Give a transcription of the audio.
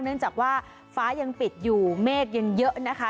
เนื่องจากว่าฟ้ายังปิดอยู่เมฆยังเยอะนะคะ